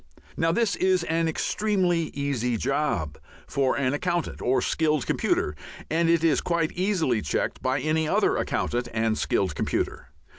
Now this is an extremely easy job for an accountant or skilled computer, and it is quite easily checked by any other accountant and skilled computer.